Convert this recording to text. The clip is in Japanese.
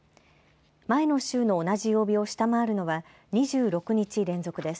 前の週の同じ曜日を下回るのは２６日連続です。